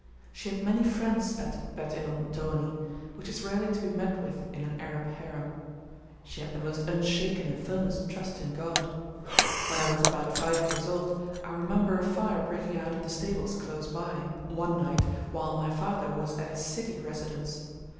She had many friends at Bet il Mtoni, which is rarely to be met with in an Arab harem. She had the most unshaken and firmest trust in God. When I was about five years old, I remember a fire breaking out in the stables close by, one night while my father was at his city residence.